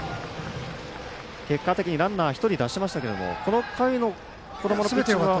結果的にランナー１人出しましたけどこの回の小玉のピッチングは？